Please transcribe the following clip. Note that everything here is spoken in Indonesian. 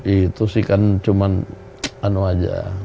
itu sih kan cuma anu aja